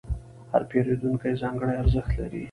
هر پیرودونکی ځانګړی ارزښت لري.